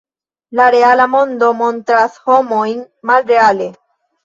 La reala mondo montras homojn malreale.